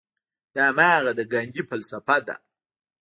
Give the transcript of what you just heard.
دا هماغه د ګاندي فلسفه ده.